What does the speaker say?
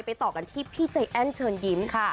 ไปต่อกันที่พี่เจ๋นเชิญยิ้มค่ะ